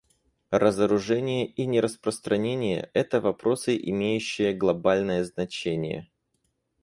Разоружение и нераспространение — это вопросы, имеющие глобальное значение.